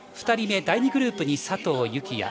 ２人目、第２グループに佐藤幸椰。